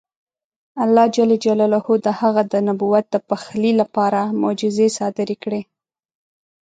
الله جل جلاله د هغه د نبوت د پخلي لپاره معجزې صادرې کړې.